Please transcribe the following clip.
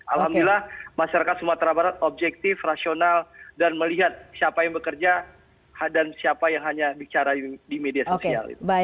alhamdulillah masyarakat sumatera barat objektif rasional dan melihat siapa yang bekerja dan siapa yang hanya bicara di media sosial